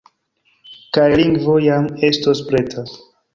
Kaj lingvo jam estos preta.